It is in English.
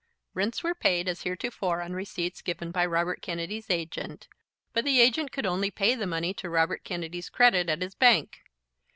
Rents were paid as heretofore on receipts given by Robert Kennedy's agent; but the agent could only pay the money to Robert Kennedy's credit at his bank.